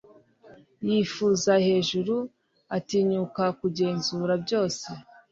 yifuza hejuru, atinyuka kugenzura byose